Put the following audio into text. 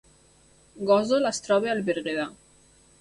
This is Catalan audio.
Gósol es troba al Berguedà